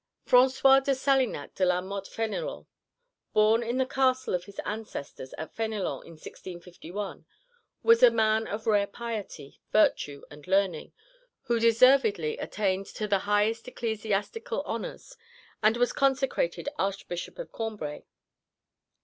François de Salignac de la Mothe Fénélon, born in the castle of his ancestors at Fénélon in 1651, was a man of rare piety, virtue, and learning, who deservedly attained to the highest ecclesiastical honours, and was consecrated Archbishop of Cambray.